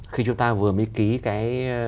khi chúng ta vừa mới ký cái